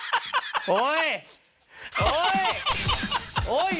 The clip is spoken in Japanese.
おい！